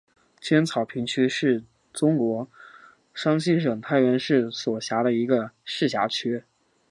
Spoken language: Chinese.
尖草坪区是中国山西省太原市所辖的一个市辖区。